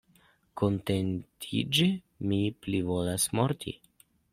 Kontentiĝi! mi plivolas morti.